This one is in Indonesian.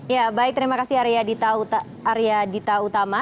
ya baik terima kasih arya dita utama